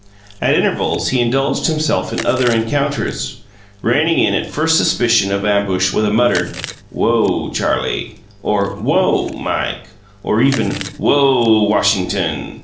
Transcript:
At intervals he indulged himself in other encounters, reining in at first suspicion of ambush with a muttered, "Whoa, Charlie!" or "Whoa, Mike!" or even "Whoa, Washington!"